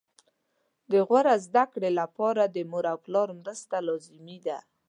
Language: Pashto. د غوره زده کړې لپاره د مور او پلار مرسته لازمي ده